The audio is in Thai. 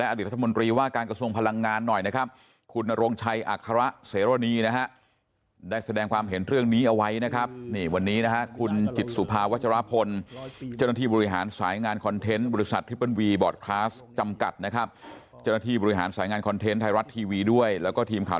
จำกัดนะครับเจ้าหน้าที่บริหารสายงานคอนเทนต์ไทยรัฐทีวีด้วยแล้วก็ทีมข่าว